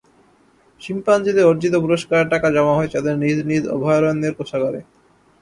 শিম্পাঞ্জিদের অর্জিত পুরস্কারের টাকা জমা হয়েছে তাদের নিজ নিজ অভয়ারণ্যের কোষাগারে।